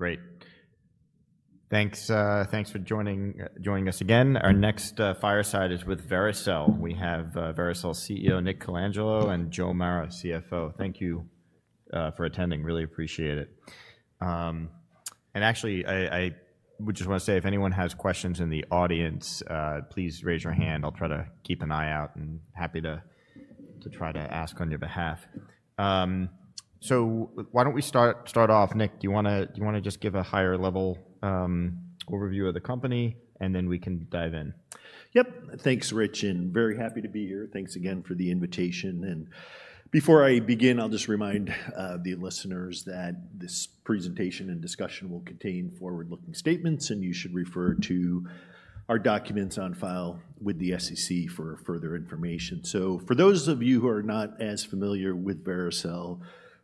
Great. Thanks for joining us again. Our next fireside is with Vericel. We have Vericel CEO Nick Colangelo and Joe Mara, CFO. Thank you for attending. Really appreciate it. Actually, I would just want to say, if anyone has questions in the audience, please raise your hand. I'll try to keep an eye out and happy to try to ask on your behalf. Why don't we start off? Nick, do you want to just give a higher-level overview of the company, and then we can dive in? Yep. Thanks, Rich, and very happy to be here. Thanks again for the invitation. Before I begin, I'll just remind the listeners that this presentation and discussion will contain forward-looking statements, and you should refer to our documents on file with the SEC for further information. For those of you who are not as familiar with Vericel,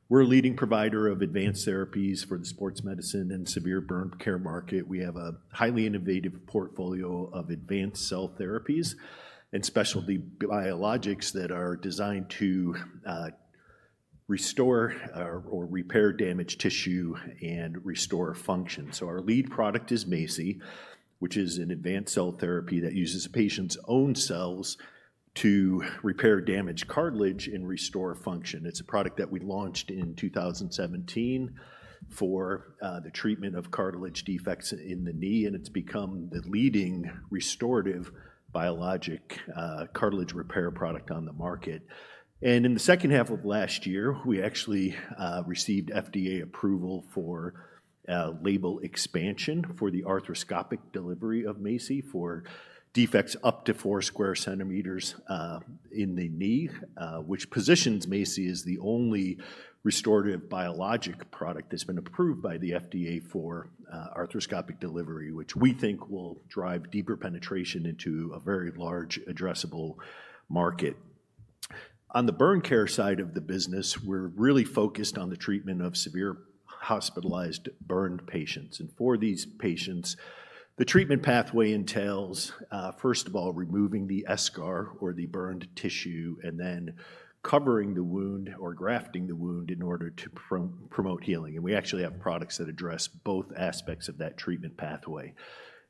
we're a leading provider of advanced therapies for the sports medicine and severe burn care market. We have a highly innovative portfolio of advanced cell therapies and specialty biologics that are designed to restore or repair damaged tissue and restore function. Our lead product is MACI, which is an advanced cell therapy that uses a patient's own cells to repair damaged cartilage and restore function. It's a product that we launched in 2017 for the treatment of cartilage defects in the knee, and it's become the leading restorative biologic cartilage repair product on the market. In the second half of last year, we actually received FDA approval for label expansion for the arthroscopic delivery of MACI for defects up to four sq cm in the knee, which positions MACI as the only restorative biologic product that's been approved by the FDA for arthroscopic delivery, which we think will drive deeper penetration into a very large addressable market. On the burn care side of the business, we're really focused on the treatment of severe hospitalized burned patients. For these patients, the treatment pathway entails, first of all, removing the eschar or the burned tissue, and then covering the wound or grafting the wound in order to promote healing. We actually have products that address both aspects of that treatment pathway.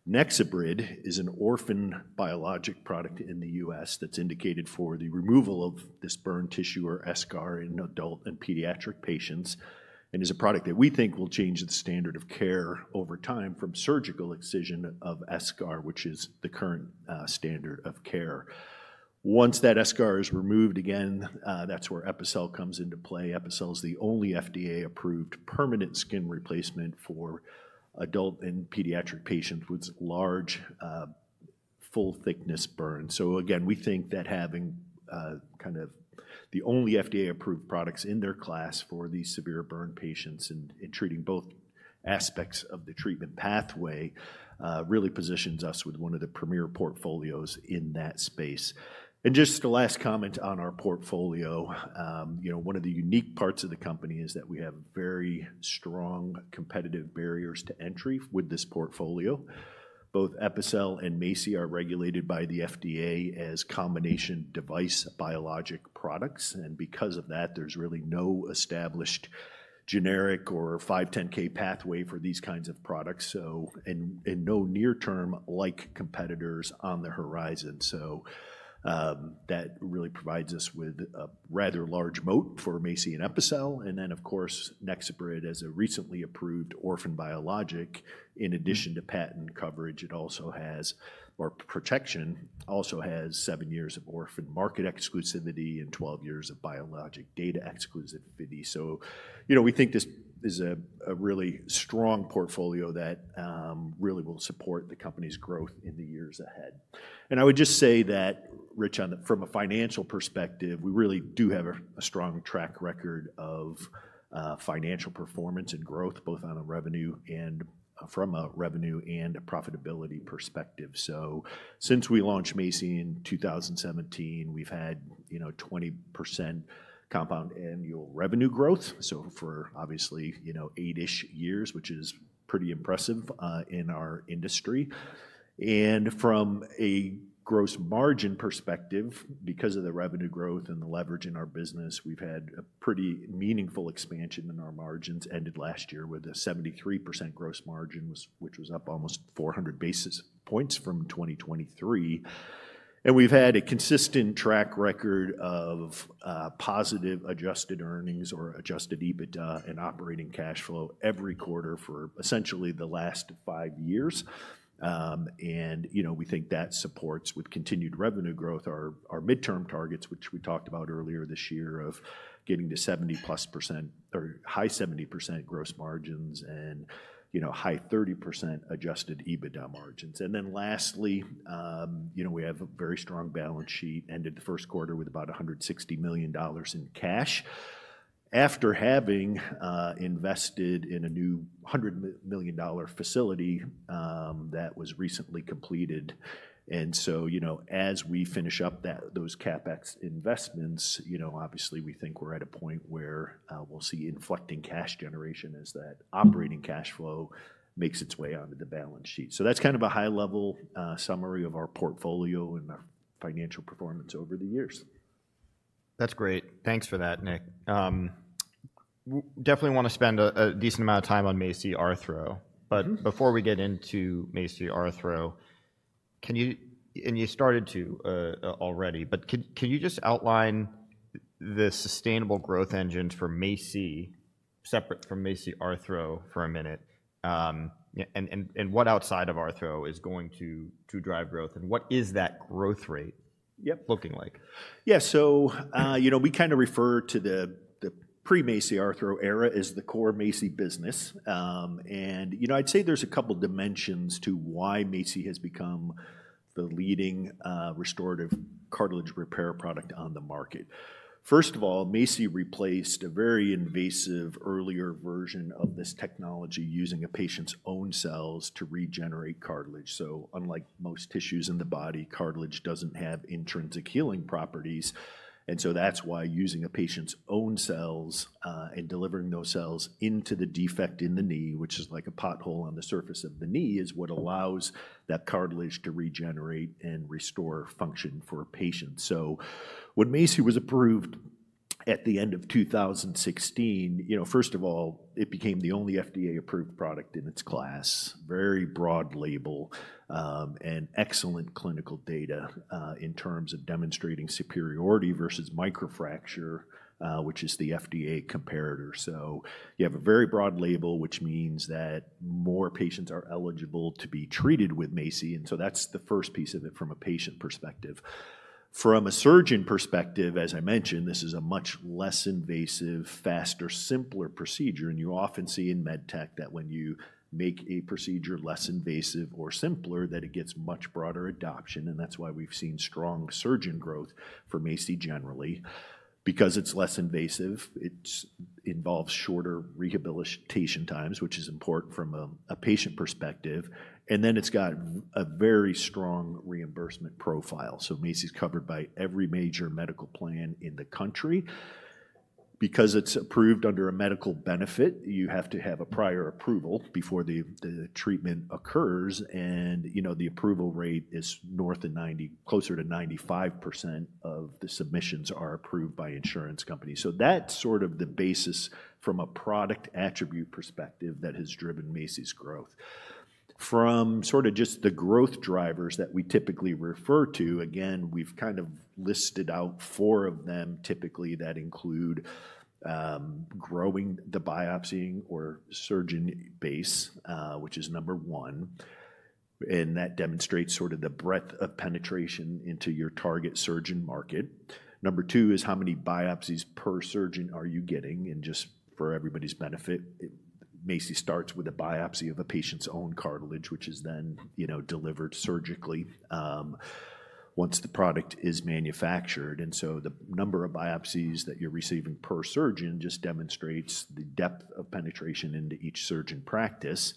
NexoBrid is an orphan biologic product in the U.S. that's indicated for the removal of this burned tissue or eschar in adult and pediatric patients and is a product that we think will change the standard of care over time from surgical excision of eschar, which is the current standard of care. Once that eschar is removed, again, that's where Epicel comes into play. Epicel is the only FDA-approved permanent skin replacement for adult and pediatric patients with large, full-thickness burns. We think that having kind of the only FDA-approved products in their class for these severe burn patients and treating both aspects of the treatment pathway really positions us with one of the premier portfolios in that space. Just a last comment on our portfolio, one of the unique parts of the company is that we have very strong competitive barriers to entry with this portfolio. Both Epicel and MACI are regulated by the FDA as combination device biologic products. Because of that, there is really no established generic or 510,000 pathway for these kinds of products, and no near-term-like competitors on the horizon. That really provides us with a rather large moat for MACI and Epicel. Of course, NexoBrid, as a recently approved orphan biologic, in addition to patent coverage, also has seven years of orphan market exclusivity and 12 years of biologic data exclusivity. We think this is a really strong portfolio that really will support the company's growth in the years ahead. I would just say that, Rich, from a financial perspective, we really do have a strong track record of financial performance and growth, both on a revenue and from a revenue and a profitability perspective. Since we launched MACI in 2017, we've had 20% compound annual revenue growth. For obviously eight-ish years, which is pretty impressive in our industry. From a gross margin perspective, because of the revenue growth and the leverage in our business, we've had a pretty meaningful expansion in our margins, ended last year with a 73% gross margin, which was up almost 400 basis points from 2023. We've had a consistent track record of positive adjusted earnings or adjusted EBITDA and operating cash flow every quarter for essentially the last five years. We think that supports with continued revenue growth our midterm targets, which we talked about earlier this year of getting to 70%+ or high 70% gross margins and high 30% adjusted EBITDA margins. Lastly, we have a very strong balance sheet, ended the first quarter with about $160 million in cash after having invested in a new $100 million facility that was recently completed. As we finish up those CapEx investments, obviously, we think we're at a point where we'll see inflecting cash generation as that operating cash flow makes its way onto the balance sheet. That's kind of a high-level summary of our portfolio and our financial performance over the years. That's great. Thanks for that, Nick. Definitely want to spend a decent amount of time on MACI Arthro. Before we get into MACI Arthro, and you started to already, can you just outline the sustainable growth engines for MACI separate from MACI Arthro for a minute? What outside of Arthro is going to drive growth? What is that growth rate looking like? Yeah. So we kind of refer to the pre-MACI Arthro era as the core MACI business. I'd say there's a couple of dimensions to why MACI has become the leading restorative cartilage repair product on the market. First of all, MACI replaced a very invasive earlier version of this technology using a patient's own cells to regenerate cartilage. Unlike most tissues in the body, cartilage doesn't have intrinsic healing properties. That's why using a patient's own cells and delivering those cells into the defect in the knee, which is like a pothole on the surface of the knee, is what allows that cartilage to regenerate and restore function for a patient. When MACI was approved at the end of 2016, first of all, it became the only FDA-approved product in its class, very broad label, and excellent clinical data in terms of demonstrating superiority versus microfracture, which is the FDA comparator. You have a very broad label, which means that more patients are eligible to be treated with MACI. That is the first piece of it from a patient perspective. From a surgeon perspective, as I mentioned, this is a much less invasive, faster, simpler procedure. You often see in med tech that when you make a procedure less invasive or simpler, it gets much broader adoption. That is why we have seen strong surgeon growth for MACI generally, because it is less invasive. It involves shorter rehabilitation times, which is important from a patient perspective. It has a very strong reimbursement profile. MACI is covered by every major medical plan in the country. Because it's approved under a medical benefit, you have to have a prior approval before the treatment occurs. The approval rate is north of 90%, closer to 95% of the submissions are approved by insurance companies. That's sort of the basis from a product attribute perspective that has driven MACI's growth. From just the growth drivers that we typically refer to, again, we've kind of listed out four of them typically that include growing the biopsying or surgeon base, which is number one. That demonstrates the breadth of penetration into your target surgeon market. Number two is how many biopsies per surgeon are you getting? Just for everybody's benefit, MACI starts with a biopsy of a patient's own cartilage, which is then delivered surgically once the product is manufactured. The number of biopsies that you're receiving per surgeon just demonstrates the depth of penetration into each surgeon practice.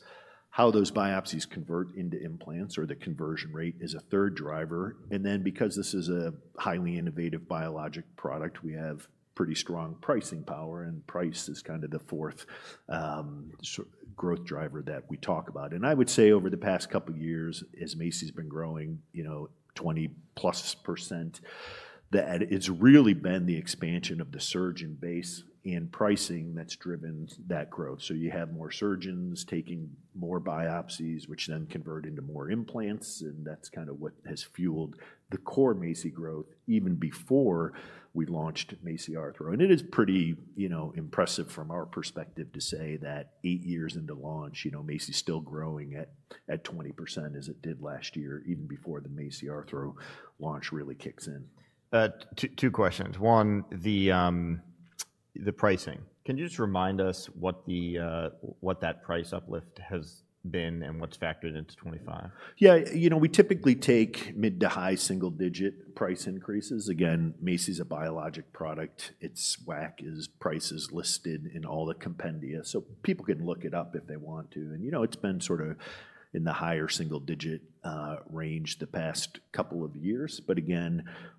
How those biopsies convert into implants or the conversion rate is a third driver. Because this is a highly innovative biologic product, we have pretty strong pricing power. Price is kind of the fourth growth driver that we talk about. I would say over the past couple of years, as MACI has been growing 20%+, that it's really been the expansion of the surgeon base and pricing that's driven that growth. You have more surgeons taking more biopsies, which then convert into more implants. That's kind of what has fueled the core MACI growth even before we launched MACI Arthro. It is pretty impressive from our perspective to say that eight years into launch, MACI is still growing at 20% as it did last year, even before the MACI Arthro launch really kicks in. Two questions. One, the pricing. Can you just remind us what that price uplift has been and what's factored into 2025? Yeah. We typically take mid to high single-digit price increases. Again, MACI is a biologic product. Its WAC is prices listed in all the compendia. People can look it up if they want to. It has been sort of in the higher single-digit range the past couple of years.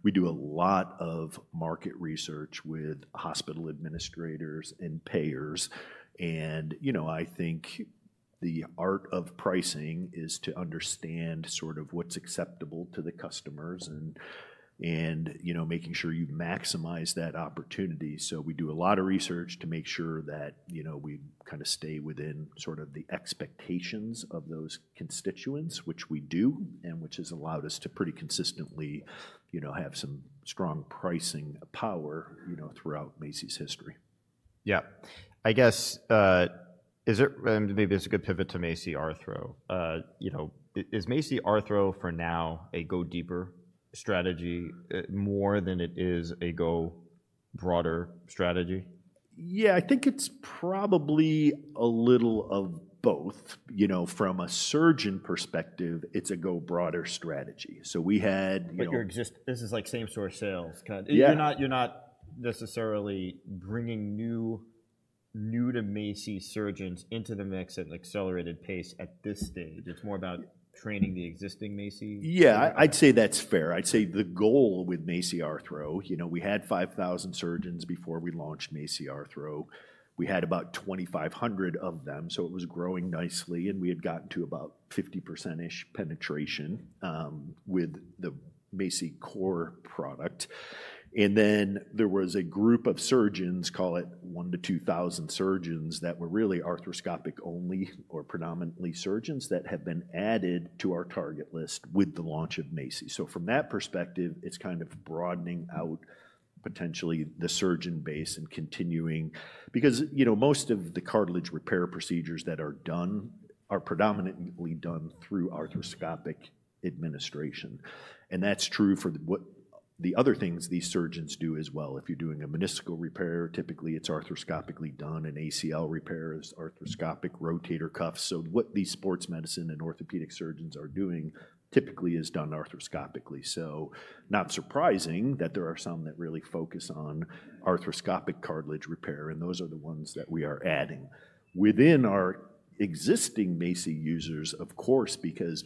We do a lot of market research with hospital administrators and payers. I think the art of pricing is to understand sort of what's acceptable to the customers and making sure you maximize that opportunity. We do a lot of research to make sure that we kind of stay within sort of the expectations of those constituents, which we do, and which has allowed us to pretty consistently have some strong pricing power throughout MACI's history. Yeah. I guess maybe this is a good pivot to MACI Arthro. Is MACI Arthro for now a go-deeper strategy more than it is a go broader strategy? Yeah. I think it's probably a little of both. From a surgeon perspective, it's a go broader strategy. So we had. This is like same-store sales. You're not necessarily bringing new MACI surgeons into the mix at an accelerated pace at this stage. It's more about training the existing MACI? Yeah. I'd say that's fair. I'd say the goal with MACI Arthro, we had 5,000 surgeons before we launched MACI Arthro. We had about 2,500 of them. It was growing nicely. We had gotten to about 50% penetration with the MACI core product. There was a group of surgeons, call it 1,000-2,000 surgeons, that were really arthroscopic only or predominantly surgeons that have been added to our target list with the launch of MACI. From that perspective, it's kind of broadening out potentially the surgeon base and continuing because most of the cartilage repair procedures that are done are predominantly done through arthroscopic administration. That's true for the other things these surgeons do as well. If you're doing a meniscal repair, typically it's arthroscopically done. An ACL repair is arthroscopic, rotator cuff. What these sports medicine and orthopedic surgeons are doing typically is done arthroscopically. Not surprising that there are some that really focus on arthroscopic cartilage repair. Those are the ones that we are adding. Within our existing MACI users, of course, because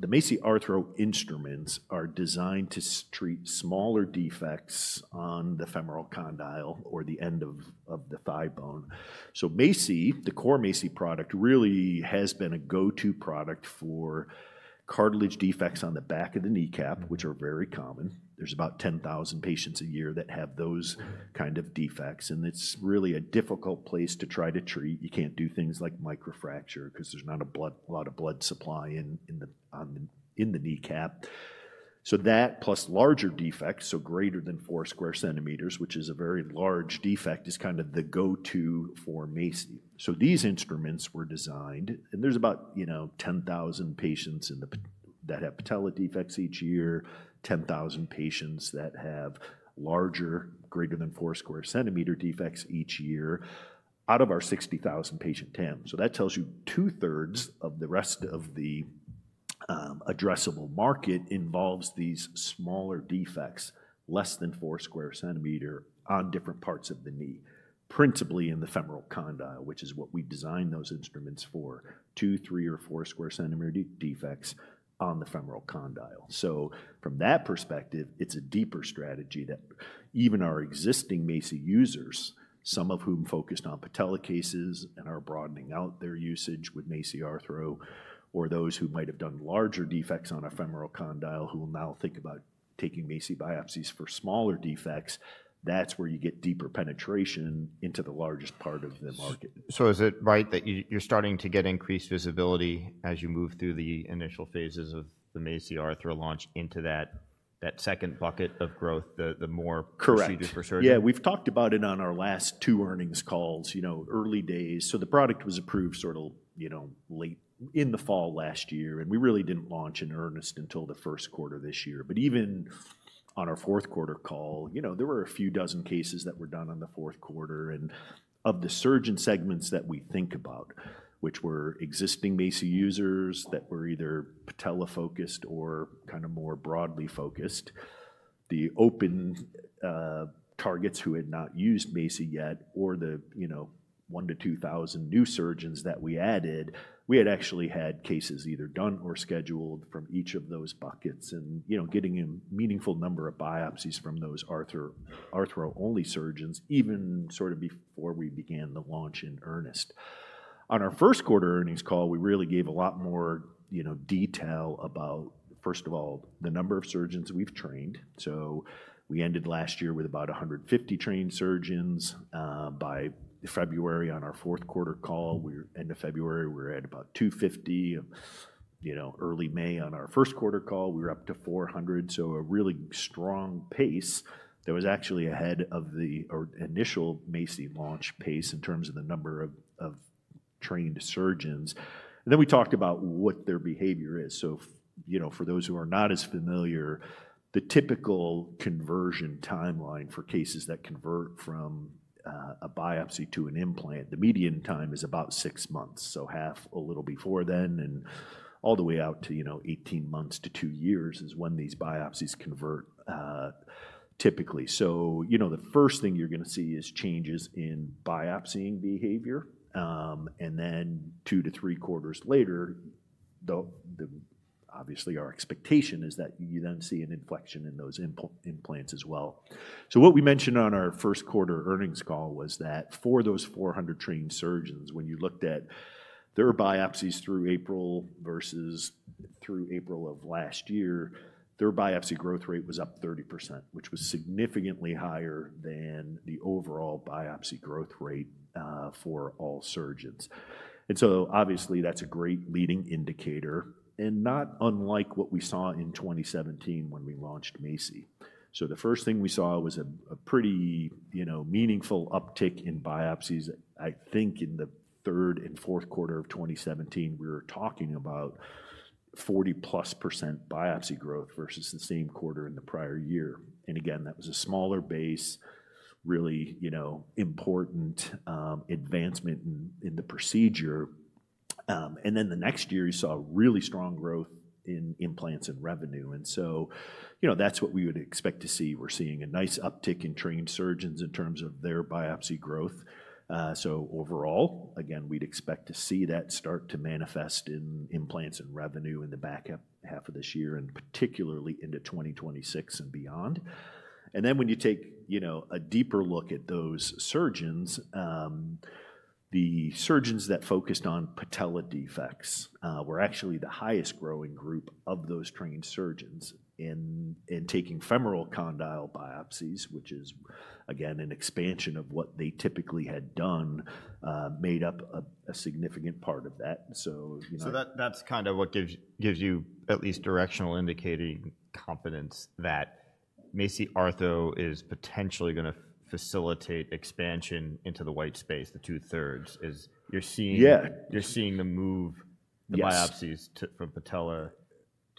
the MACI Arthro instruments are designed to treat smaller defects on the femoral condyle or the end of the thigh bone. MACI, the core MACI product, really has been a go-to product for cartilage defects on the back of the kneecap, which are very common. There are about 10,000 patients a year that have those kind of defects. It is really a difficult place to try to treat. You cannot do things like microfracture because there is not a lot of blood supply in the kneecap. That plus larger defects, so greater than four sq cm, which is a very large defect, is kind of the go-to for MACI. These instruments were designed. There are about 10,000 patients that have patella defects each year, 10,000 patients that have larger, greater than four sq cm defects each year out of our 60,000 patient 10. That tells you two-thirds of the rest of the addressable market involves these smaller defects, less than four sq cm on different parts of the knee, principally in the femoral condyle, which is what we design those instruments for, two, three, or four sq cm defects on the femoral condyle. From that perspective, it's a deeper strategy that even our existing MACI users, some of whom focused on patella cases and are broadening out their usage with MACI Arthro, or those who might have done larger defects on a femoral condyle who will now think about taking MACI biopsies for smaller defects, that's where you get deeper penetration into the largest part of the market. Is it right that you're starting to get increased visibility as you move through the initial phases of the MACI Arthro launch into that second bucket of growth, the more procedures per surgeon? Correct. Yeah. We've talked about it on our last two earnings calls, early days. The product was approved sort of late in the fall last year. We really did not launch in earnest until the first quarter of this year. Even on our fourth quarter call, there were a few dozen cases that were done in the fourth quarter. Of the surgeon segments that we think about, which were existing MACI users that were either patella-focused or kind of more broadly focused, the open targets who had not used MACI yet, or the 1,000-2,000 new surgeons that we added, we had actually had cases either done or scheduled from each of those buckets and getting a meaningful number of biopsies from those Arthro-only surgeons, even sort of before we began the launch in earnest. On our first quarter earnings call, we really gave a lot more detail about, first of all, the number of surgeons we've trained. We ended last year with about 150 trained surgeons. By February on our fourth quarter call, end of February, we were at about 250. Early May on our first quarter call, we were up to 400. A really strong pace that was actually ahead of the initial MACI launch pace in terms of the number of trained surgeons. We talked about what their behavior is. For those who are not as familiar, the typical conversion timeline for cases that convert from a biopsy to an implant, the median time is about six months. Half a little before then and all the way out to 18 months to two years is when these biopsies convert typically. The first thing you're going to see is changes in biopsying behavior. Two to three quarters later, obviously, our expectation is that you then see an inflection in those implants as well. What we mentioned on our first quarter earnings call was that for those 400 trained surgeons, when you looked at their biopsies through April versus through April of last year, their biopsy growth rate was up 30%, which was significantly higher than the overall biopsy growth rate for all surgeons. Obviously, that's a great leading indicator and not unlike what we saw in 2017 when we launched MACI. The first thing we saw was a pretty meaningful uptick in biopsies. I think in the third and fourth quarter of 2017, we were talking about 40%+ biopsy growth versus the same quarter in the prior year. That was a smaller base, really important advancement in the procedure. The next year, you saw really strong growth in implants and revenue. That is what we would expect to see. We're seeing a nice uptick in trained surgeons in terms of their biopsy growth. Overall, we would expect to see that start to manifest in implants and revenue in the back half of this year, and particularly into 2026 and beyond. When you take a deeper look at those surgeons, the surgeons that focused on patella defects were actually the highest growing group of those trained surgeons in taking femoral condyle biopsies, which is, again, an expansion of what they typically had done, made up a significant part of that. That's kind of what gives you at least directional indicating confidence that MACI Arthro is potentially going to facilitate expansion into the white space, the two-thirds. You're seeing the move, the biopsies from patella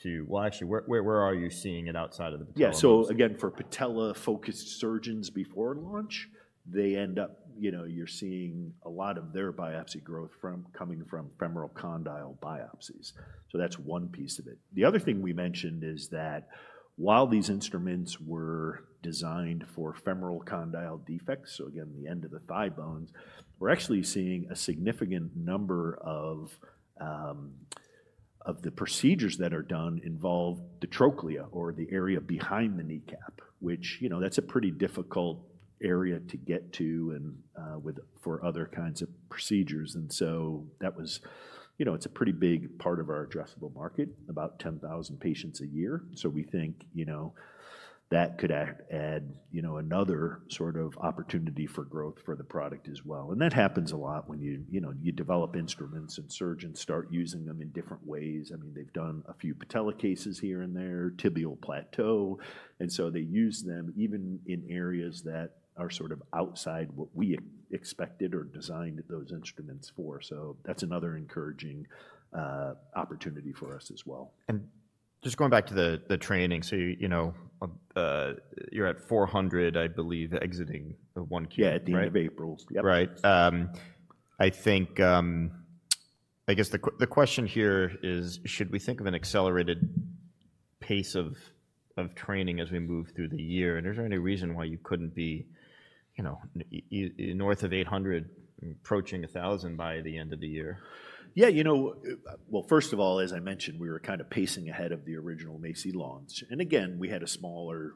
to, well, actually, where are you seeing it outside of the patella? Yeah. So again, for patella-focused surgeons before launch, they end up, you're seeing a lot of their biopsy growth coming from femoral condyle biopsies. That's one piece of it. The other thing we mentioned is that while these instruments were designed for femoral condyle defects, so again, the end of the thigh bones, we're actually seeing a significant number of the procedures that are done involve the trochlea or the area behind the kneecap, which that's a pretty difficult area to get to for other kinds of procedures. That was, it's a pretty big part of our addressable market, about 10,000 patients a year. We think that could add another sort of opportunity for growth for the product as well. That happens a lot when you develop instruments and surgeons start using them in different ways. I mean, they've done a few patella cases here and there, tibial plateau. They use them even in areas that are sort of outside what we expected or designed those instruments for. That's another encouraging opportunity for us as well. Just going back to the training, so you're at 400, I believe, exiting the 1Q. Yeah, at the end of April. Right. I guess the question here is, should we think of an accelerated pace of training as we move through the year? Is there any reason why you couldn't be north of 800, approaching 1,000 by the end of the year? Yeah. First of all, as I mentioned, we were kind of pacing ahead of the original MACI launch. Again, we had a smaller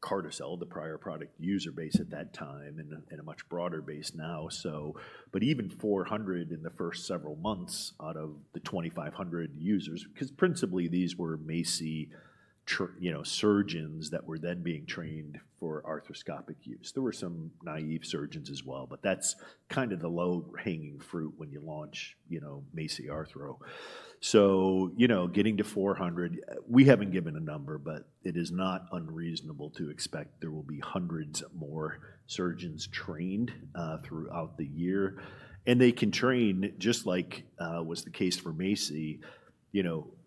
Carticel, the prior product user base at that time, and a much broader base now. Even 400 in the first several months out of the 2,500 users, because principally these were MACI surgeons that were then being trained for arthroscopic use. There were some naive surgeons as well. That is kind of the low-hanging fruit when you launch MACI Arthro. Getting to 400, we have not given a number, but it is not unreasonable to expect there will be hundreds more surgeons trained throughout the year. They can train just like was the case for MACI.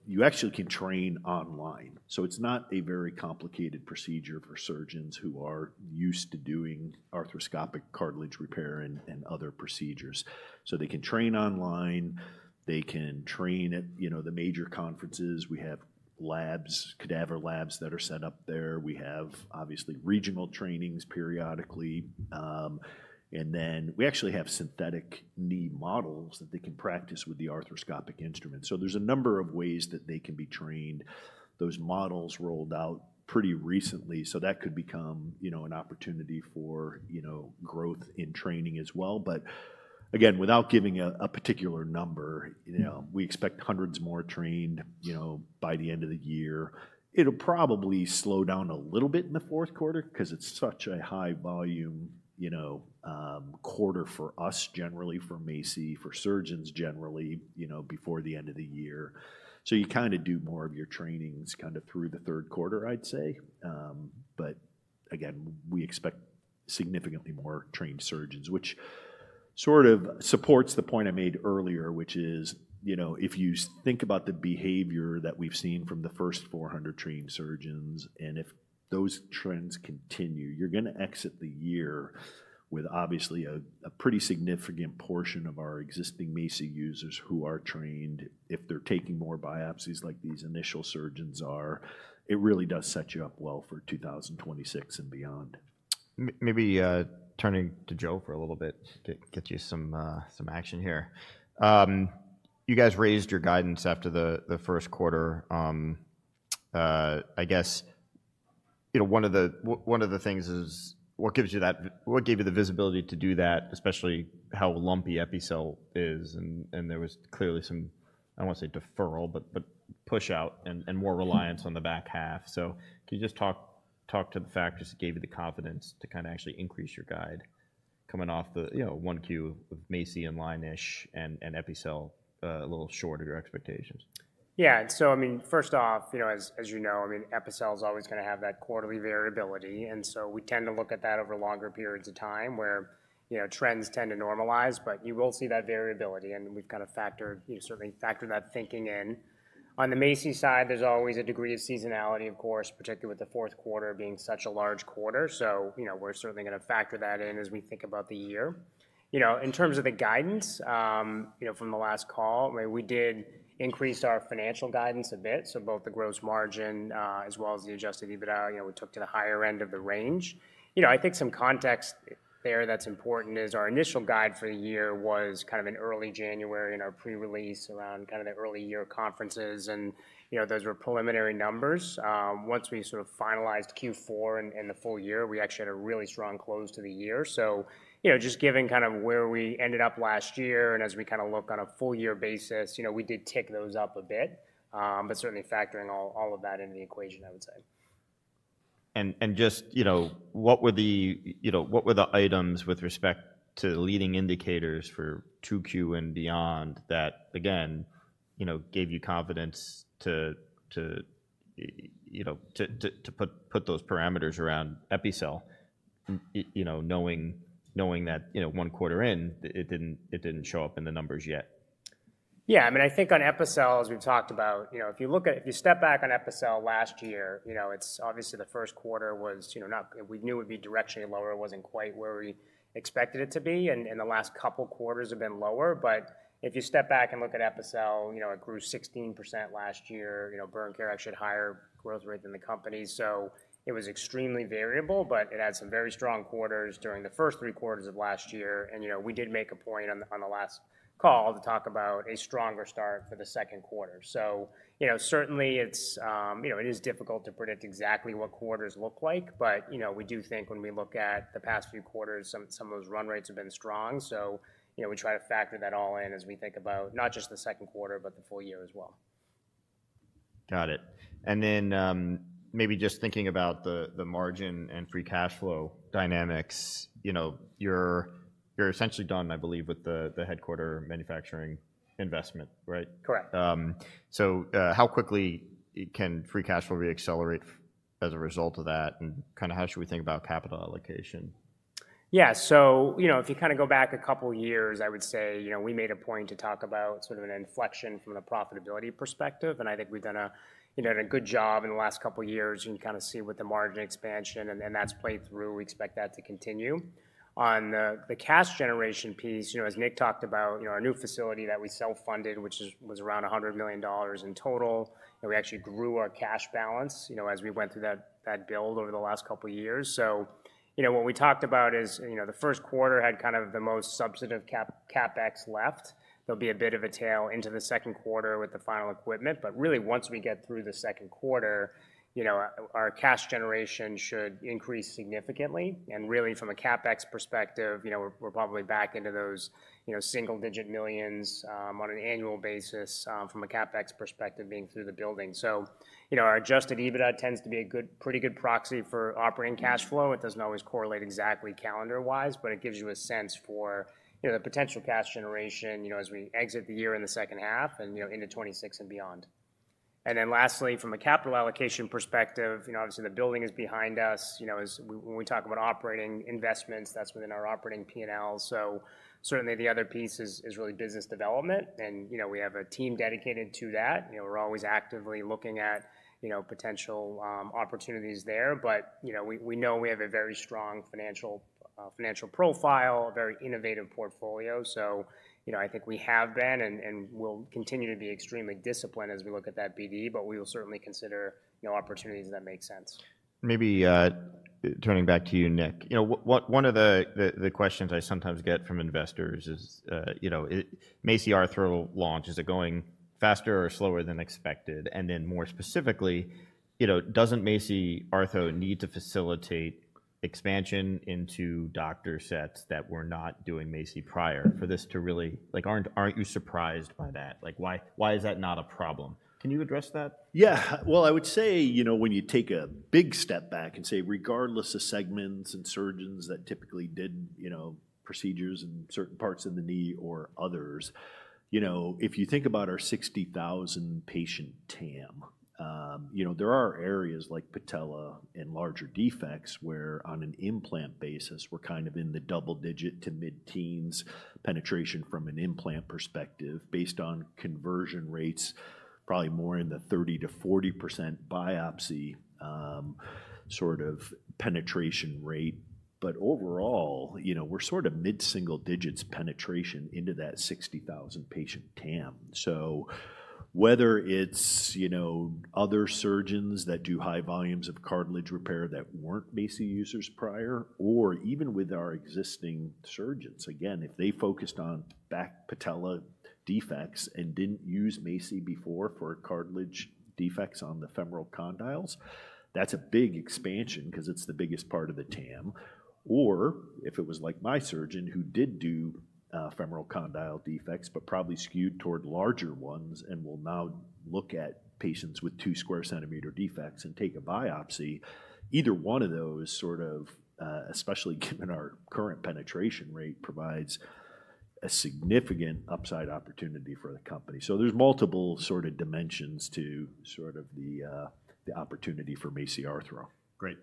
You actually can train online. It is not a very complicated procedure for surgeons who are used to doing arthroscopic cartilage repair and other procedures. They can train online. They can train at the major conferences. We have labs, cadaver labs that are set up there. We have, obviously, regional trainings periodically. We actually have synthetic knee models that they can practice with the arthroscopic instrument. There are a number of ways that they can be trained. Those models rolled out pretty recently. That could become an opportunity for growth in training as well. Again, without giving a particular number, we expect hundreds more trained by the end of the year. It will probably slow down a little bit in the fourth quarter because it is such a high-volume quarter for us generally, for MACI, for surgeons generally before the end of the year. You kind of do more of your trainings kind of through the third quarter, I would say. Again, we expect significantly more trained surgeons, which sort of supports the point I made earlier, which is if you think about the behavior that we've seen from the first 400 trained surgeons, and if those trends continue, you're going to exit the year with obviously a pretty significant portion of our existing MACI users who are trained. If they're taking more biopsies like these initial surgeons are, it really does set you up well for 2026 and beyond. Maybe turning to Joe for a little bit to get you some action here. You guys raised your guidance after the first quarter. I guess one of the things is what gave you the visibility to do that, especially how lumpy Epicel is? And there was clearly some, I don't want to say deferral, but push-out and more reliance on the back half. Can you just talk to the factors that gave you the confidence to kind of actually increase your guide coming off the 1Q of MACI and line-ish and Epicel a little short of your expectations? Yeah. So I mean, first off, as you know, I mean, Epicel is always going to have that quarterly variability. And so we tend to look at that over longer periods of time where trends tend to normalize. But you will see that variability. And we've kind of certainly factored that thinking in. On the MACI side, there's always a degree of seasonality, of course, particularly with the fourth quarter being such a large quarter. So we're certainly going to factor that in as we think about the year. In terms of the guidance from the last call, we did increase our financial guidance a bit. So both the gross margin as well as the adjusted EBITDA, we took to the higher end of the range. I think some context there that's important is our initial guide for the year was kind of in early January in our pre-release around kind of the early year conferences. Those were preliminary numbers. Once we sort of finalized Q4 and the full year, we actually had a really strong close to the year. Just given kind of where we ended up last year and as we kind of look on a full-year basis, we did tick those up a bit, but certainly factoring all of that into the equation, I would say. What were the items with respect to leading indicators for 2Q and beyond that, again, gave you confidence to put those parameters around Epicel, knowing that one quarter in, it did not show up in the numbers yet? Yeah. I mean, I think on Epicel, as we've talked about, if you step back on Epicel last year, it's obviously the first quarter was not we knew it would be directionally lower. It wasn't quite where we expected it to be. The last couple of quarters have been lower. If you step back and look at Epicel, it grew 16% last year. Burn Care actually had a higher growth rate than the company. It was extremely variable. It had some very strong quarters during the first three quarters of last year. We did make a point on the last call to talk about a stronger start for the second quarter. Certainly, it is difficult to predict exactly what quarters look like. We do think when we look at the past few quarters, some of those run rates have been strong. We try to factor that all in as we think about not just the second quarter, but the full year as well. Got it. And then maybe just thinking about the margin and free cash flow dynamics, you're essentially done, I believe, with the headquarter manufacturing investment, right? Correct. How quickly can free cash flow reaccelerate as a result of that? And kind of how should we think about capital allocation? Yeah. If you kind of go back a couple of years, I would say we made a point to talk about sort of an inflection from a profitability perspective. I think we've done a good job in the last couple of years and kind of see with the margin expansion. That has played through. We expect that to continue. On the cash generation piece, as Nick talked about, our new facility that we self-funded, which was around $100 million in total, we actually grew our cash balance as we went through that build over the last couple of years. What we talked about is the first quarter had kind of the most substantive CapEx left. There will be a bit of a tail into the second quarter with the final equipment. Really, once we get through the second quarter, our cash generation should increase significantly. Really, from a CapEx perspective, we're probably back into those single-digit millions on an annual basis from a CapEx perspective being through the building. Our adjusted EBITDA tends to be a pretty good proxy for operating cash flow. It does not always correlate exactly calendar-wise, but it gives you a sense for the potential cash generation as we exit the year in the second half and into 2026 and beyond. Lastly, from a capital allocation perspective, obviously, the building is behind us. When we talk about operating investments, that is within our operating P&L. Certainly, the other piece is really business development. We have a team dedicated to that. We're always actively looking at potential opportunities there. We know we have a very strong financial profile, a very innovative portfolio. I think we have been and will continue to be extremely disciplined as we look at that BD, but we will certainly consider opportunities that make sense. Maybe turning back to you, Nick. One of the questions I sometimes get from investors is MACI Arthro launch, is it going faster or slower than expected? And then more specifically, doesn't MACI Arthro need to facilitate expansion into doctor sets that were not doing MACI prior for this to really, aren't you surprised by that? Why is that not a problem? Can you address that? Yeah. I would say when you take a big step back and say, regardless of segments and surgeons that typically did procedures in certain parts of the knee or others, if you think about our 60,000-patient TAM, there are areas like patella and larger defects where, on an implant basis, we're kind of in the double-digit to mid-teens penetration from an implant perspective based on conversion rates, probably more in the 30%-40% biopsy sort of penetration rate. Overall, we're sort of mid-single-digits penetration into that 60,000-patient TAM. Whether it's other surgeons that do high volumes of cartilage repair that weren't MACI users prior or even with our existing surgeons, again, if they focused on patella defects and didn't use MACI before for cartilage defects on the femoral condyles, that's a big expansion because it's the biggest part of the TAM. If it was like my surgeon who did do femoral condyle defects but probably skewed toward larger ones and will now look at patients with two sq cm defects and take a biopsy, either one of those, especially given our current penetration rate, provides a significant upside opportunity for the company. There are multiple dimensions to the opportunity for MACI Arthro. Great.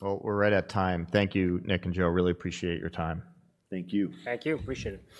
We're right at time. Thank you, Nick and Joe. Really appreciate your time. Thank you. Thank you. Appreciate it.